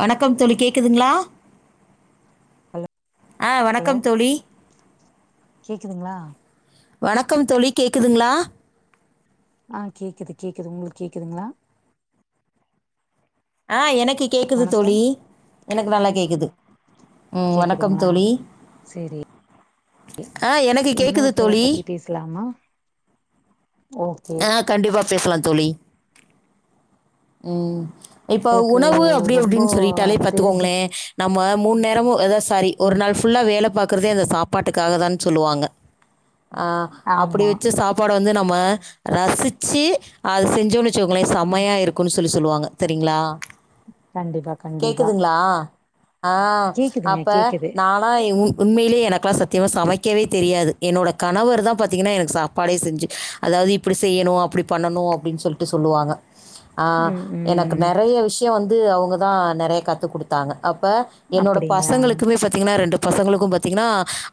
வணக்கம் தோழி கேக்குதுங்ளா ஹலோ ஆ ஹலோ வணக்கம் தோழி கேக்குதுங்ளா வணக்கம் தோழி கேக்குதுங்ளா ஆ கேக்குது கேக்குது உங்களுக்கு கேக்குதுங்ளா அ எனக்கு கேக்குது வணக்கம் தோழி எனக்கு நல்லா கேக்குது ம் வணக்கம் கேக்குதுங்களா தோழி சேரி அ எனக்கு கேக்குது தோழி க்கலாமா ஓகே கண்டிப்பா பேசலா தோழி ம் இப்போ உங்களுக்கு உணவு அப்டி ரொம்போ அப்டின்னு சொல்லிட்டாலே தெரிஞ்ச பாத்துக்கோங்ளே நம்ம மூணு நேரோமு அதா சாரி ஒரு ம் நாள் ஃபு ல்லா வேல பாக்குறதே அந்த சாப்பாட்டுக்காக தானு அ சொல்லுவாங்க அ அப்டி ஆமா வெச்சு சாப் பாடு வந்து நம்ம ரசிச்சி அது செஞ்சோன்னு வெச்சுக்கோங்ளே ம் செமையா இருக் குன்னு சொல்லி சொல்லுவாங்க சரிங்ளா கண்டிப்பா கண்டிப்பா கேக்குதுங்ளா அ கேக்குதுங்க அப்ப கேக்குது நா அ உண்மையிலே எனக்கலா சத்தியமா சமைக்கவே தெரியாது என்னோட கணவர் தா பாத்திங்கனா எனக்கு சாப் பாடே செஞ்சு அதாவது இப்டி செய்யனோ அப்டி பண்ணனோ அப்டின் சொல்ட்டு சொல்லுவாங்க அ ம் எனக்கு ம் நெறைய விஷ்யோ வந்து அவுங்கதா நெறைய கத்து குடுத்தாங்க அப்ப என்னோட அப்டிங்களா பசங்களுக்குமே பாத்தீங்கனா ரெண்டு பசங்களுக்கு பாத் தீங்கன்னா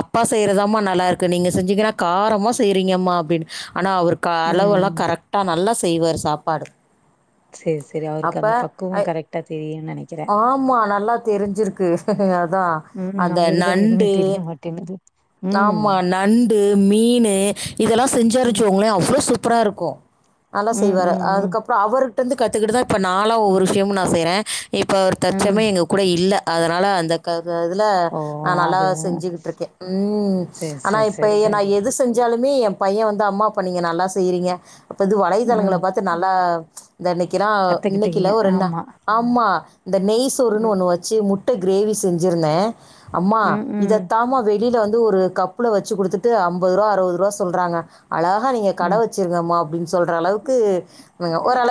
அப்பா செய்யறதாம்மா நல்லா இருக்கு நீங்க செஞ்சிங்கனா காரமா செய்றீங்கம்மா அப்டின்னு ஆனா அவரு க ம் அளவுலா கரெக்டா நல்லா செய்வாரு சாப்பாடு சேரி சேரி அவருக்கு அப்ப அந்த பக்குவோ அ கரெக்டா தெரியுன்னு நெனைக்கிறே ஆமா நல்லா தெரிஞ்சிருக்கு அதா ம் அந்த நம்மளுக்கு தா எதுவுமே நண்டு தெரிய மாட்டேங்குது ம் ஆமா நண் டு மீனு இதெல்லா செஞ்சாரு ம் வெச்சிக்கோங்ளே அவ்ளோ சூப்பரா இருக்கோ நல்லா ம் செய்வாரு ம் ம் அதுக்கப்புறோ அவரிட்ட இருந்து கத்துக்கிட்டு தா இப்ப நாளா ஒவ்வொரு விஷயமோ நா செய்ற இப்போ அவர் ம் தற்ச்சமயோ எங்க கூட இல்ல அதனால அந்த காக இதுல ஓ நா நல்லா அது செஞ்சிகிட்டு இருக்கே ம் சேரி ஆனா சேரி இப்ப சேரி நா சேரி எது செஞ் சாலுமே ஏ பைய வந்து அம்மா இப்ப நீங்க நல்லா செய்யறீங்க அப்ப இது ம் வலைத்தளங்களப் பாத்து நல்லா இந்த இன்னைக்கிறா கத்துக்கிட்டீங்க இன்னைக்கில்ல ஓர் என்னா ஆமா ஆமா இந்த நெய் சோறுன்னு ம் ஒன்னு வச்சி முட்ட கிரேவி செஞ்சிருந்தே அம்மா ம் ம் இதத்தாம வா கிட் வந்து ஒரு கப்புல வச்சு குடுத்துட்டு அம்பதுருவா அறுவதுருவா சொல்றாங்க அழகா நீங்க கட ம் வச் வச்சிருங்கமா அப்டினு சொல்ற அளவுக்கு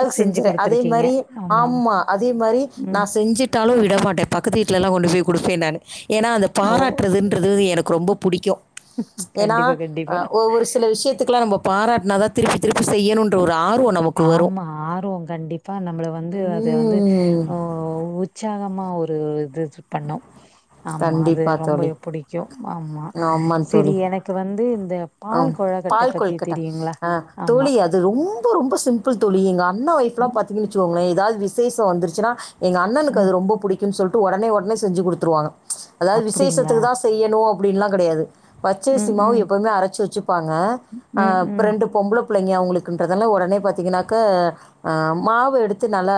அ செஞ்சு செஞ்சறே அதே குடுத்துருக்கீங்க மாரி ஆமாமா ஆமா அதே மாரி நா ம் செஞ்சுட் டாலு விட மாட்டே பக்கத்து வீட்லல்லா கொண்டு போய் குடுப்பே நானு ஏனா அந்த ஓ பாராட்டுறதுன் றது எனக்கு ரொம்ப புடிக்கு ஏனா கண்டிப்பா கண்டிப்பா ஒவ்வொரு ஸ் சில விஷயத்துக்லா நம்ம பாராட்னாதா திருப்பி திருப்பி செய்யணுன்ற ஒரு ஆர்வ நமக்கு வரு ஆமா ஆர்வோ கண்டிப் அப்ப நம்பள வந்து அத வந்து ம். உற்சாகமா ஒரு இது பண்ணு ஆமா அது கண்டிப்பா ரொம்பே தோழி. பிடிக்கு ஆமா செரி எனக் க்கு வந்து இந்த அ பால் கொழக்கட்ட பால் பத்தி கொழுக்கட்ட தெரியுங்களா ஆ ஆமா தோழி யாத் அது ரொம்ப ரொம்ப சிம்பிள் தோழி எங்க அண்ணா ஒய்ஃப்ல்லா பாத்தீங்கன்ன வச்சுக்கோங்லே ஏதாவது விசேஷோ வந்துருச்சுன்னா எங்க அண்ணனுக்கு ம் அது ரொம்ப பிடிக்கும்னு சொல்ட்டு உடனே உடனே செஞ்சு குடுத்துருவாங்க அதாவது அப்டிங்களா விசேஷத்துக்குதா செய்யணு அப்டின்ல்லா கெடையாது ம் பச்சரிசிமாவு ம் எப்பவுமே அர ச்சு வச்சுப்பாங்க ஆ ம் ம் ரெண்டு பொம்பளப் பிள்ளைங்க அவங்களுக்குன்றதால உடனே பாத்தீங்கன்னாக்க ஆ மாவு எடுத்து நல்லா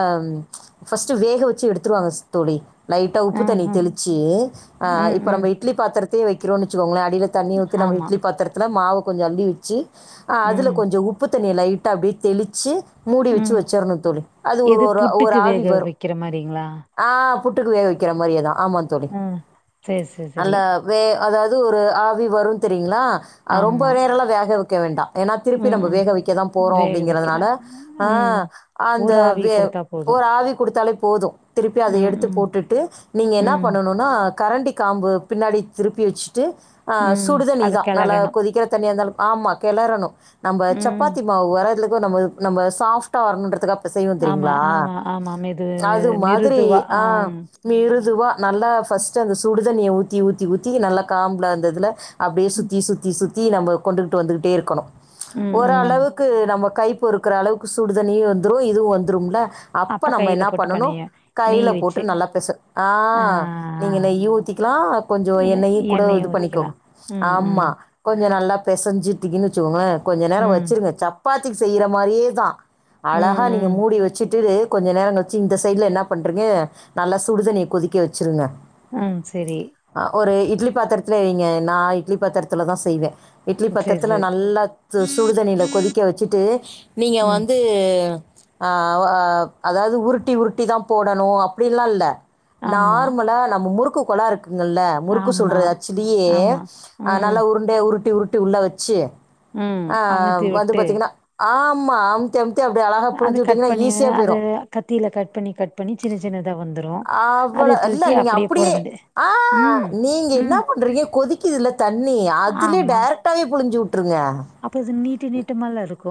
ஃபர்ஸ்ட்டு வேக வச்சு எடுத்துருவாங்கஸ் தோழி லைட்டா உப்பு ஆ தண்ணி ஆ தெளிச்சி ஆ ம் இப்ப ம் நம்ம இட்லி பாத்திரத்தே வைக்கிறோனு வச்சுக்கோங்களே அடியில தண்ணி ஊத்தி நம்ம ஆமா இட்லி பாத்திரத்தில் மாவு கொஞ்ச அள்ளி வச்சு அதுல ம் கொஞ்சோ உப்புத் தண்ணிய லைட்டா அப்டியே தெளிச்சு மூடி வச்சு ம் வச்சர்ன்னு தோழி அது ஒரு எது ஒரு ஒரு புட்டுக்கு ஆவி வேக வரு வைக்கிற மாரிங்களா ஆஆ புட்டுக்கு வேக வக்கிற மாரியேதா ஆமா தோழி ம் சேரி சேரி நல்ல சேரி வே அதாவது ஒரு ஆவி வரு தெரிங்களா ஆமா ரொம்ப நேரம்லா வேக வைக்க வேண்டா ஏனா திருப்பி ம் நம்ம ம் வேக வைக்கதா போறோ வேக வைக்கிற அப்டிங்கிறதுனால ஆ ம் அந்த ஒரு ஆவி வே குடுத்தா போது ஒரு ஆவி குடுத்தாலே போது திருப்பி அத ம் எடுத்து ம் போட்டுட்டு நீங்க என்ன ம் பண்ணணு னா கரண்டி காம்பு பின்னாடி திருப்பி வச்சுட்டு ஆ ம் அத சுடுதண்ணிதா நல்ல கெளறணு கொதிக்கிற தண்ணி இருந்தாலு ஆமா கிளறணு நம்ம ம் சப்பாத்தி அவுங்க வரறதுலுக்கு நம்ம நம்ம சாப்டா வரணன்றதுக்க செய்வோ ஆமா தெரியங்ளா ஆமா ஆமா மெது அது மெது மாதிரி மிருதுவா ஆ ஆம் மிருதுவா நல்லா ஃபர்ஸ்ட்டு அந்த சுடுதண்ணிய ஊத்தி ஊத்தி ஊத்தி நல்லா காம்புல அந்த இதுல அப்டியே ம் சுத்தி சுத்தி சுத்தி நம்ம கொண்டுகிட்டு வந்துகிட்டே இருக்கணு ம் ம். ஒரளவுக் க்கு நம்ம கை பொறுக்குற அளவுக்கு சுடுதண்ணியு வந்துரு இதுவு வந்துரும்ல அப்ப நம்ம கையில என்ன போட்டு பண்ணணு பெனைய நெய் கையில போட்டு வச்சு நல்லா பெசு ஆ ஆ நீங்க நெய்யு ஊத்திக்ல கொஞ்சோ இல்ல என்னையு கூட எண்ணெயு இது ஊத்திக்கலா பண்ணிக்கோங்க ம் ஆமா ம் கொஞ்ச நல்லா பெசஞ்சுட்டுங்கன்னு வச்சுக்கோங்ளே கொஞ்ச நேர ம் வச்சிருங்க சப்பாத்திக்கு செய்யற மாரியேதா அழகா ம் நீங்க ம் மூடி வச்சிட்டு இரு கொஞ்ச நேர கழிச்சு இந்த சைட்ல என்ன பண்றீங்க நல்லா சுடு தண்ணிய கொதிக்க வச்சிருங்க ம் செரி ஆ ஒரு இட்லி பாத்திரத்துலே வைங்க நா இட்லி பாத்திரத்துலதா செய்வே இட்லி சேரி பாத்திரத்துல சேரி நல்லா சுடுதண்ணியில கொதிக்க வச்சுட்டு நீங்க ம் வந்து து ஆ வா அதாவது உருட்டி உருட்டி தா போடணு அப்படின்ல்லா இல்ல ஆமா நார்மலா நம்ம முறுக்கு குலா இருக்குங்கல்ல முறுக்கு சுடுர ஆமா ஆச்சிலேயே ஆமா. ஆ ம், நல்லா உருண்டைய உருட்டி உருட்டி உள்ள வச்சு ம். ஆ அமுத்தி வந்து விட்டு, பாத்தீங்கன்னா ஆமா அமுத்தி அமுத்தி அப்டி அழகா அது கட் பண்ணி அது கத்தியில கட் பண்ணி கட் பண்ணி சின்ன சின்னதா வந்துரு அவ்ள இல்ல நீங்க அப்டியே ஆஆ ம், நீங்க என்ன ம். பண்றீங்க கொதிக் க்கு இதுல தண்ணி அதுலயே டைரெக்டாவே புளுஞ்சு விட்டுருங்க அப்போ இது நீட்டு நீட்டுமல்லா இருக்கு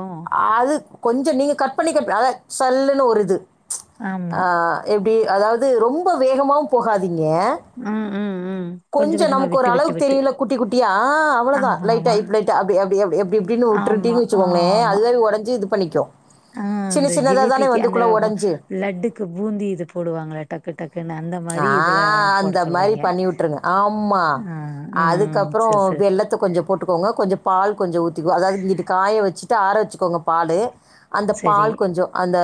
அது கொஞ்சோ நீங்கள் கட் பண்ணிக்க அத சல்லுன்னு ஒரு இது ஆமா. எப்படி அதாவது ரொம்ப வேகமுவு போகாதீங்க ம் ம் ம் கொஞ்சம் கொஞ்சோ கொஞ்சமா நமக்கு ஒரு விட்டு, விட்டு, அளவுக்கு விட்டு. தெரியுல குட்டி குட்டியா ஆ அவ்ளோதா ஆமா, லைட்டா ஆமா, இப் லைட்டா அப்டி அப்டி அப்டி எப்டி எப்படினு உட் ஆமா, ட்ரிட்டீனு வச்சுகோங்ளே ஆமா. அதுவவே உடஞ்சு இது பண்ணிக்கு ஆ அந்த ஜிலேபிக்கு அந்த உடஞ்சி லட்டுக்கு பூந்தி இது போடுவாங்கள டக்கு டக்குன்னு அந்த மாரி இதுல போட சொல்றீங்க விட்டுருங்க ஆமா ஆ, ம். அதுக்கப்றோ சரி, வெள் சரி. வெளத்த கொஞ்சோ போட்டுக்கோங்க கொஞ்சோ பால் கொஞ்சோ ஊத்தி அதாது இங்கிட்டு காய வச்சுட்டு ஆற வச்சுக்கோங்க பாலு அந்த சரி பால் கொஞ்சோ அந்த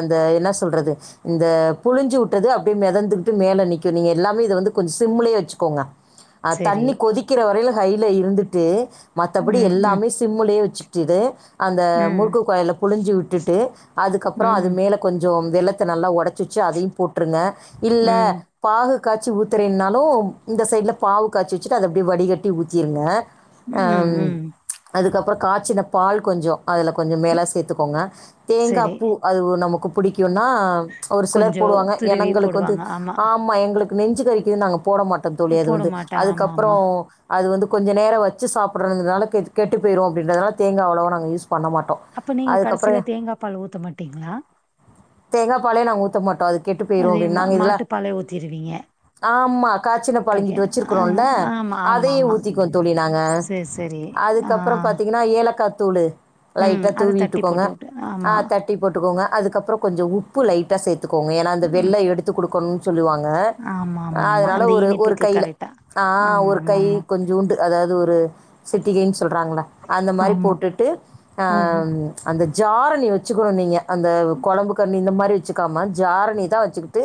அந்த என்ன சொல்றது இந்த புழிஞ்சி வுட்டது அப்டி மிதந்துகிட்டு மேல நிக்கு நீங்க எல்லாமே இத வந்து கொஞ்சோ சிம்ளே வச்சு கோங்க அ சரி. தண்ணி கொதிக்கிற வரைலயு ஹைல இருந்துட்டு மத்தபடி ம், ம், எல்லாமே சி சிம்முலே வச்சுக்கிட்டு அந்த ம், முருக்கு கோயல புழிஞ்சி விட்டுட்டு அதுக்கப்றோ அது ம், மேல கொஞ்சோ வெள்ளத்த நல்லா உடைச்சு வச்சு அதயு போட்டுருங்க இல்ல ம், கொஞ் பாகு காய்சி ஊத்துறேனாலு இந்த சைடுல பாகு காய்சி வச்சுட்டு அத அப்டியே வடிகட்டி ஊத்திருங்க ம், ஆம் ம். அதுக்கப்றோ காய்ச்சின பால் கொஞ்சோ அதுல கொஞ்சோ மேலே சேத்துக்கோங்க தேங்கா சரி. பூ அது நமக்கு புடிக்குன்னா ஒரு சிலர் கொஞ்சோ போடுவாங்க துருவி எனங்களுக்கு வந்து போடுவாங்க. ஆமா எங்களுக்கு நெஞ்சு கறிக்குதுனு நாங்க போட மாட் டோ தோழி அது போட வந்து மாட்டேன். அதுக்கப்றோ ஆமாமா. அது வந்து கொஞ்ச நேரோ வச்சு சாப்டனுன்றதுனால கெட்டு கெட்டு போயிடு அப்டின்றதுனால தேங்கா அவ்ளோ வா நாங்க யூஸ் பண்ண மாட்டோ அப்போ நீங்க கடேசில தேங்கா பால் ஊத்த மாட்டீங்ளா தேங்கா பாலே நாங்க ஊத்த மாட்டோ அது கெட்டு போயிரு அது அப்டினு மா நாங்க இதுல மாட்டு பாலே ஊத்திருவீங்க. ஆமா காச்சின பால் பாக்கெ இங்கிட்டு ஆ வச்சிருக்றோல ஆமா, ஆமா, அதயே ஆமா. ஊத்திக்குவோ தோழி நாங்க சரி, சரி. ஆ. அதுக்கப்றோ பாத்தீங்கன்னா ஏலக்காத்தூளு ம். லைட்டா அத தட்டி தூவிட்டுக்கோங்க போட்டுவுட்டு ஆ ஆமா. தட் ட்டி போட்டுக்கோங்க அதுக்கப்றோ கொஞ்சோ உப்பு லைட்டா சேத்துக்கோங்க ஏனா அந்த ம். வெள்ளை எடுத்து குடுக்கணு சொல்லுவாங்க ஆமா, ஆமா, ஆமா. அதனால அந்த ஒரு ஒரு இனிப்புக்கு கைல கரெக்ட்டா. ஆ ஒரு கை ஆமாமாமா. கொஞ்சோண்டு அதாது ஒரு சிட்டிகைனு சொல்றாங்கள அந்த மாரி ஆமா. போட்டுட்டு ஆ ம், அந்த ஜார நீ வச்சுக்கணு நீங்க அந்த குழம்பு கரண்டி இந்த மாரி வச்சுக்காம ஜாரணி தா வச்சுக்கிட்டு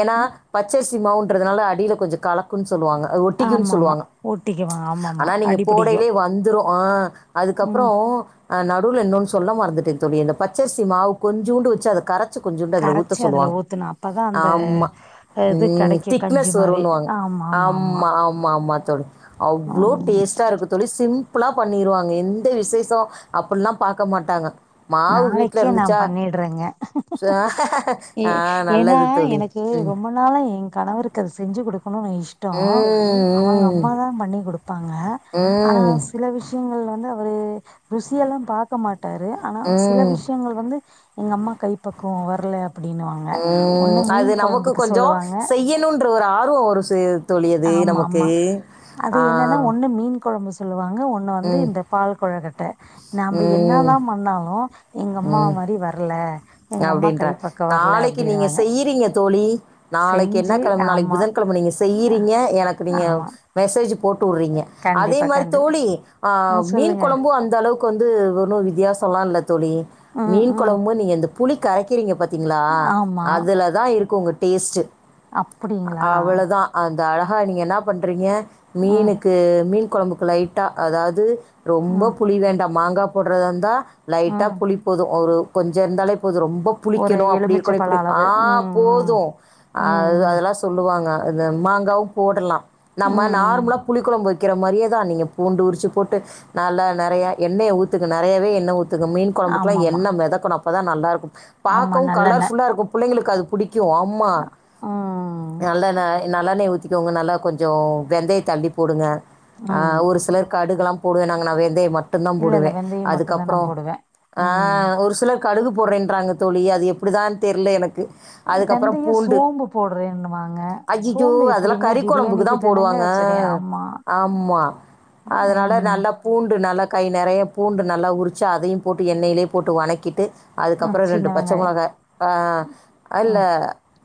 ஏன்னா ம். பச்சரிசி மாவுன்றதுனால அடில கொஞ்சோ கலக் க்கு சொல்லுவாங்க அது ஒட்டிக்குனு ஆமாமா. சொல்லுவாங்க ஒட்டிக்குவாங்க. ஆமாமா. ஆனா நீங்க அடிபிடிக்கும். போடேலே வந்துரு ஆ அதுக்கப்றோ ம் அ நவுல இன்னோனு சொல்ல மறந்துட்டே தொழி இந்த பச்சரிசி மாவு கொஞ்சுண்டு வச்சு அத கர கரச்சி அதுல ஊத்துனு அப்பதா அந்த ஆமாம் இது கிடைக்கு கஞ்சி திக்னஸ் மாரி ஆமா மா மா மா மாமா தோழி அவ்ளோ டேஸ்ட்டாருக்கு தோழி சிம் ப்பில்லா பண்ணிருவாங்க எந்த விசேஷோ அப்டில்லா பாக்க மாட்டாங்க மாவு வீட்லருந்துச்சா றங்க எ ஆ ஏன்னா நல்லது தோழி எனக்கு ரொம்ப ம் ரொம்ப நாளா எ கணவருக்கு அது செஞ்சு குடுக்கணுனு இஷ்டோ அவங்க ம் அம்மா தா பண்ணி குடுப்பாங்க ஆனா ம் சில விஷ் விஷ்யங்கள் வந்து அவரு ருசியெல்லா பாக்க மாட்டாரு ஆனா ம் ம் உங்களுக்கு வந்து எங்க அம்மா கைப்பக்குவோ வரல அப்டின்னுவாங்க ம், ஒன்னு மீன் கொழம்புக்கு சொல்லுவாங்க யுனுன்ற ஒரு ஆர்வோ ஒரு சி தோழி அது ஆமா நமக்கு ஆமா ஆ கொழம்பு சொல்லுவாங்க ஒன்னு வந்து ம். இந்த பால் கொழகட்ட நாம என்ன ம். தா பண்ணாலு எங்கம்மா மாரி வர்ல அப்டின்ட நாளைக்கு நீங்க செய்றீங்க தோழி நாளைக்கு என்ன செஞ்சு கெழம நாளைக்கு ஆமா புதன் கெழம நீங்க செய்யுறீங்க எனக்கு நீங்க ஆமா மெசேஜ் போட்டு உட்றீங்க அதே கண்டிப்பா மாரி கண்டிப்பா தோழி ஆ மீன் கொழம்பு அந்த அளவு க்கு வந்து ஒன்னு வித்தியாசோலா இல்ல தோழி ம் மீன் ம் கொழம்பு நீங்க இந்த புளி கரைக் கிறீங்க பாத்தீங்களா ஆமா அதுலதா இருக்கு உங்க டேஸ்ட்டு அப்படிங்களா அவ்ளோதா அந்த அழகா நீங்க என்னா பண்றீங்க ம் மீனுக்கு மீன் குழம்புக்கு லைட்டா அதாது ரொம்ப ம் புளி வேண்டா மாங்கா போட்றதாருந்தா லைட்டா ம் புளி போது ஒரு கொஞ்சோ இருந்தாலே பொது ரொம்ப ஒரு புளிக்கணு அப்டி இருக்கனு எலுமிச்சப்பழ இப்டி ஆ அளவு ம் ம் போது அது ம் அதெல்லா சொல்லுவாங்க அது மாங்காவு போடலா ம் நம்ம ம் நார்மலா புளி குழம்பு வைக் கிற மாரியேதா நீங்க பூண்டு உரிச்சு போட்டு நல்ல நெறையா எண்ணய ஊத்துங்க நெறையாவ என்ன ஊத் துங்க மீன் கொழம்புக்குல்லா ஆமாமா என்ன மெதக்கணு அப்பதா நல்லா இருக்கு ஆமா பாக்கவு நல்லெண்ணெய் கலர்ஃபுல்லா இருக்கு புள்ளைங்களுக்கு அது புடிக்கு ஆமா ம் நல்லண நல்லண்ணைய ஊத்திக்கோங்க நல்லா கொஞ்சோ வெந்தயத்த அள்ளி போடுங்க ஆ ம் ஒரு சிலர் கடுகுலா போடுவேனாங்க நா வெந்தயோ மட்டுதா இல்ல இல்ல போடுவே வெந்தயம் மட்டுந்தா நா அதுக்கப்ரோ போடுவே ஆ ம் ஒரு சிலர் கடுகு போட்றேன்றாங்க தோழி அது எப்டிதா தெர்ல எனக்கு அதுக்கப்ரோ வெந்தயோ பூண்டு சோம்பு போடுறேன்னுவாங்க ஐயய்யயோ சோம்பு அதெல்லா எப்டிங்க கறி கொழம்புக்குதா பிரியாணிக்கு தானங்க போடுவாங்க சரி ஆமா ஆமா அதனால ம் நல்லா பூண்டு நல்லா கை நெறயா பூண்டு நல்லா உரிச்சு அதையு போட்டு எண்ணையிலயே போட்டு வதக்கிட்டு அது ஆ அப்ரோ ரெண்டு சின்ன பச்ச வெங்காயோ மொளகா ஆ ஆ அல்ல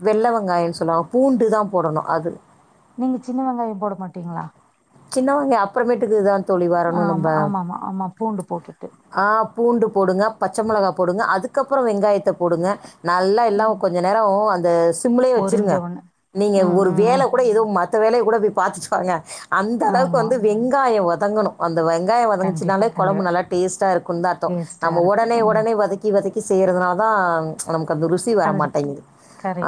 வெள்ள வெங்காயாே சொல்லுவாங்க பூண்டு தா போடணு அது நீங்க சின்ன வெங்காயோ போட மாட்டிங்களா சின்ன வெங்காயோ அப்ரமேட்டுக்குதா ஆ ஆமா ஆமா ஆமா ஆமா பூண்டு போட்டுட்டு ஆ பூண்டு போடுங்க பச்ச மொளகா போடுங்க அதுக்கப்ரோ வெங்காயத்த போடுங்க நல்லா எல்லா ம் கொஞ்ச நேரோ அந்த சிம்லயே பொரிஞ்ச வெச்சருங்க ஒண்ணு நீங்க ம் ஒரு ம் வேல ம் அப்ற ஏதோ மத்த வேலய கூட போய் பாத்துட்டு வாங்க அந்த அளவுக்கு ஆமா வந்து வெங்காயோ வதங்கணு அந்த வெங்காயோ கண்டிப்பா வதங்குச்சுனாலே கண்டிப்பா கொழம்பு நல்லா டேஸ்டா இருக்குன்தா அர்தோ டேஸ்ட்டா நம்ம இருக்கு உடனே ம் உடனே வதக்கி வதக் கி செய்யறதுனாதா நமக்கு அந்த ருஸி இ வர அது மாட்டேங்கு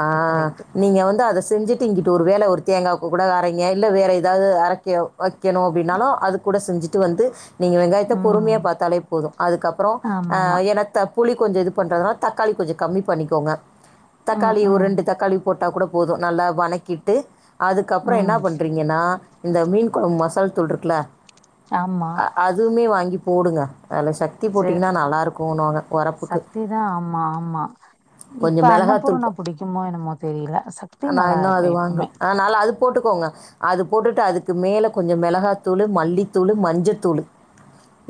ஆ கரெக்ட்டு நீங்க வந்து அத செஞ்சு டு இங்கிட்டு ஒரு வேல ஒரு தேங்காவுக்கு கூட அரைங்க இல்ல வேற ஏதாவது அர க்க வைக்கணு அப்டினாலு அது கூட செஞ்சுட்டு வந்து நீங்க வெங்காயத்த பொறுமையா ம் பாத்தாலே போது அதுக்கப்ரோ ஆ ஆமாமா எனத்த புளி கொஞ்சோ இது பண்ணுறதுனா தக்காளி கொஞ்சோ கம்மி பண்ணிக்கோங்க ம் தக்காளி ஒரு ம் ரெண்டு தக்காளி போட்டா கூட போது நல்லா வனக்கிட்டு அதுக்கப்றோ என்னா ம் பண்றீங்கனா இந்த மீன் குழம்பு மசால் தூல்ருக்குல ஆமா அதுவுமே வாங்கி போடுங்க நல்ல சக் தி சே போட்டிங்கன்னா நல்லா இருக்குனு வாங்க ஒரப்புக்கு சக்திதா ஆமா ஆமா கொஞ்சோ இப்ப மெளகா அன்னபூர்ணா தூள்ப்ப புடிக்குமோ என்னமோ தெரியல சக்தி நா நல்லா இன்னு இருக்கு அது எப்பவுமே வாங்கல் அனால அது போட்டுக்கோங்க அது போட்டுட்டு அதுக்கு மேல கொஞ்சோ மெளகா தூளு மல்லித் தூளு மஞ்சத் தூளு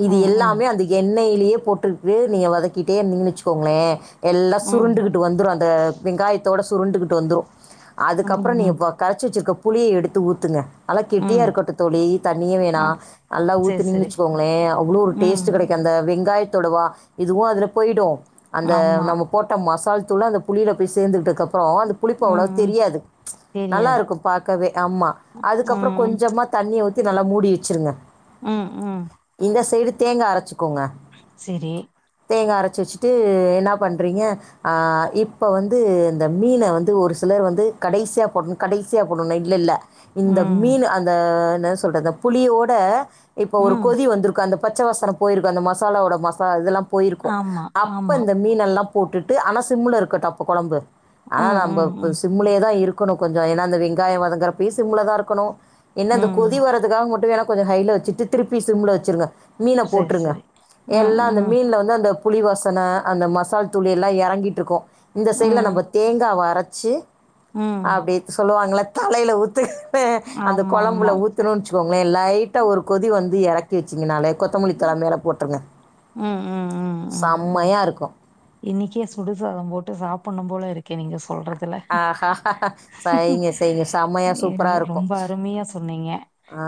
இது ம் ம் எல்லாமே அந்த எண்ணெய்லயே போட்டுருக்கு நீங்க வதக்கிட்டே இருந்திங்கனு வெச்சுக்கோங்களே எல்லா ம் சுருண்டுகுட்டு வந்துரு அந்த வெங்காயத்தோட சுருண்டுகுட்டு வந்துரு அதுக்கப்றோ ம் நீங்க ம் வ கரச்சு வச்சிருக்க புளிய எடுத்து ஊத்துங்க நல்லா கெட்டியா ம் இருக்கட்டு தோழி தண்ணியே வேணா ஆ நல்லா சேரி ஊத்துனிங்கன் சேரி வச்சுகோங்ளே அவ்ளோ ஒரு ம் டேஸ்ட் கெடைக் அந்த வெங்காயத்தோட வா இதுவு அதுல போய்டு அந்த ஆமா நம்ம போட் ட மசால் தூளு அந்த புளில போய் சேந்து கிட்டக்கப் ப்றோ அந்த புளிப்பு அவ்ளோவா ம் ம் தெரியாது நல்லா தெரியாது இருக்கு பாக்கவே ஆமா அதுக்கப்றொ ம் கொஞ்சமா தண்ணிய ஊத்தி நல்லா மூடி வெச்சுருங்க ம் ம் இந்த சைடு தேங்கா அரச்சுக்கோங்க செரி தேங்கா அரச்சு வச்சுட்டு என்னா பண்றீங்க ஆ இப்ப வந்து இந்த மீன வந்து ஒரு சிலர் வந்து கடைசியா போட கடைசிய போடணு இல்ல இல்ல இந்த ம் மீன் அந்த என்ன சொல்றது அந்த புளியோட இப்ப ஒரு ம் கொதி வந்துருக்கு அந்தப் பச்ச வாசன போயிருக்கு அந்த மசாலாவோட மசா இதெல்லா போயிருக்கு ஆமா அப்ப ஆமா இந்த மீனெல்லா போட்டுட்டு ஆனா சிம்ல இருக்கட்டு அப்ப கெழம்பு ஆனா ம் நம்ப ம் அப்ப ம் சிம் சிம்முலே தா இருக்கணு கொஞ்சொ ஏன்னா இந்த வெங்காயொ வதங்கறப்பயு சிம்ளதா இருக்கணு என்ன இந்த ம் கொதி வர அதுக்காக மட்டு வேனா கொஞ்சொ ஹைல வச்சுட்டு திருப்பி சிம்ல வச்சுருங்க மீன சேரி போட்டுருங்க சேரி ம் எல்லா அந்த ம் மீன்ல வந்து அந்த புளி வாசன அந்த மசால் தூள் எல்லா எறங்கிட்டுருக்கு இந்த சைட்ல நம்ம ம் தேங்காவ அரச்சு ம் அப்னடி சொல்லுவாங்கள தலைல ஊத்து அந்த ஆமா கொழம்புல ஆமா ஊத்துணுன் போங்ளே லைட்டா ஒரு கொதி வந்து எறக் க்கி வச்சிங்கனாலே கொத்தமல்லி தல மேல போட்டுருங்க ம் ம் ம் ம் சம்மையா இருக்கு இன்னைக்கே சுடுசாதம் போட்டு சாப்பட்னு போல இருக்கே நீங்க சொல்றது ல ஆஹா செய்யுங்க செய்யுங்க செம்மையாக சூப்பராக இருக்கும் ரொம்ப அருமையா சொன்னுங்க ஆ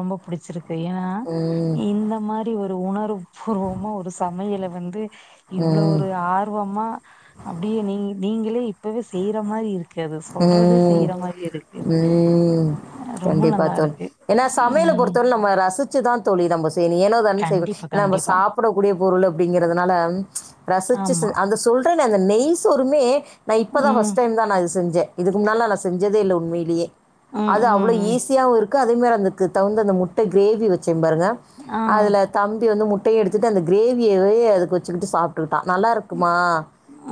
ரொம்ப புடிச்சிருக்கு ஏன்னா ம் இந்த மா ரி ஒரு உணர்வு பூர்வமா ஒரு சமையல வந்து இவ்ளொ ம் ஒரு ஆர்வமா அப்டியே நீ நீங்களே இப்பவே செய்ற மாறி இருக் கு அது சொல்றதே ம். செய்யிற மாரி இருக்கு ம் ரொம்ப கண்டிப்பா நல்லா தோழி இருக்கு ஏன்னா சமையல ம் பொறுத்தவர்ல நம்ம ரசுச்சுதா தோழி நம்ப செய்ணு ஏனோதானன் செய்ய கண்டிப்பா நம்ப கண்டிப்பா சாப்புடக்கூடிய பொருள் அப்டிங்கிறதுனால ரசிச்சு ஆமா அந்த சொல் றனே அந்த நெய் சோறுமே நா இப்பதா ஃபஸ்ட் ம் டைம் தா நா இது செஞ்சே இதுக்கு முன்னாலனா நா செஞ்சதே இல்ல உண்மையிலேயே ம் அது அவ்ளோ ம் ஈஸியாவு இருக் கு அதே மாரி அதுக்கு தகுந்து அந்த முட்ட கிரேவி வச்சே பாருங்க ஆ அதுல தம்பி வந்து முட்டையு எடுத்துட்டு அந்த கிரேவியவே அதுக்கு வச்சுக்கிட்டு சாப்ட்டுக்கிட்டா நல்லா இருக்குமா